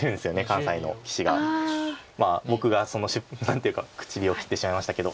まあ僕が何ていうか口火を切ってしまいましたけど。